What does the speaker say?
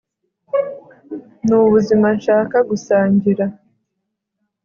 nubuzima nshaka gusangira